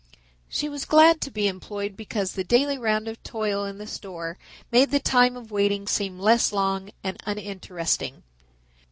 She was glad to be employed because the daily round of toil in the store made the time of waiting seem less long and uninteresting.